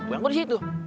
buang gue di situ